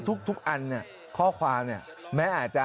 ทุกอันข้อความแม้อาจจะ